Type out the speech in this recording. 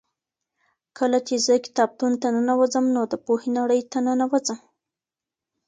کله چې زه کتابتون ته ننوځم نو د پوهې نړۍ ته ننوځم.